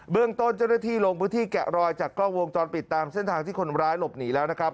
เรื่องต้นเจ้าหน้าที่ลงพื้นที่แกะรอยจากกล้องวงจรปิดตามเส้นทางที่คนร้ายหลบหนีแล้วนะครับ